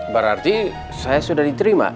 berarti saya sudah diterima